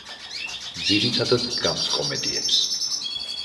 ძირითადად დგამს კომედიებს.